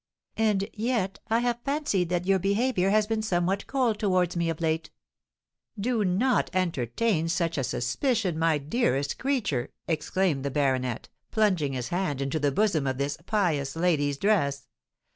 "And yet I have fancied that your behaviour has been somewhat cold towards me of late." "Do not entertain such a suspicion, my dearest creature!" exclaimed the baronet, plunging his hand into the bosom of this pious lady's dress.